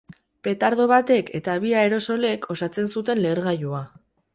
Petardo batek eta bi aerosolek osatzen zuten lehergailua.